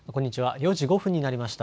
４時５分になりました。